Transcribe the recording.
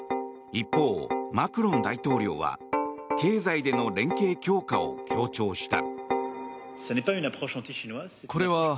一方、マクロン大統領は経済での連携強化を強調した。